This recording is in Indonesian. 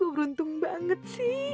beruntung banget sih